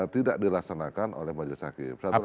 tidak dilaksanakan oleh majelis hakim